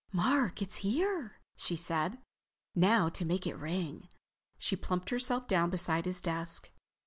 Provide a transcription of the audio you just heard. "Mark, it's here!" she said. "Now to make it ring." She plumped herself down beside his desk.